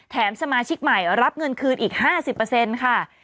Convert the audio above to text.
สมาชิกใหม่รับเงินคืนอีก๕๐ค่ะ